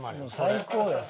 最高やん。